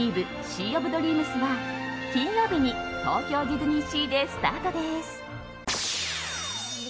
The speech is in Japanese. シー・オブ・ドリームス」は金曜日に東京ディズニーシーでスタートです。